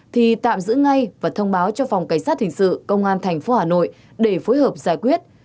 thì tạm giữ ngay và thông báo cho phòng cảnh sát thình sự công an thành phố hà nội để phối hợp giải quyết